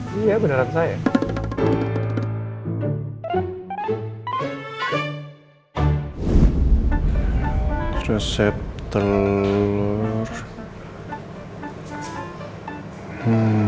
deh kita tolong